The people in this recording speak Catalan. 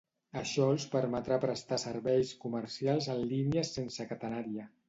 Això els permetrà prestar serveis comercials en línies sense catenària.